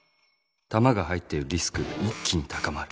弾が入ってるリスクが一気に高まる。